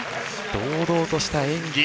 堂々とした演技。